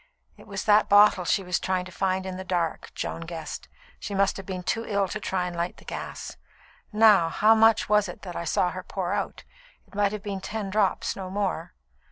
"It was that bottle she was trying to find in the dark," Joan guessed. "She must have been too ill to try and light the gas. Now, how much was it that I saw her pour out? It might have been ten drops no more."